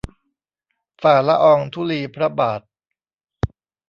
ฝ่าละอองธุลีพระบาท